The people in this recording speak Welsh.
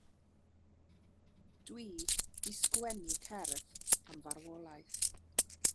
Dw i 'di sgwennu cerdd am farwolaeth.